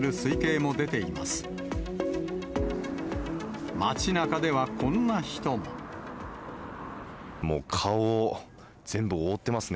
もう顔を全部覆ってますね。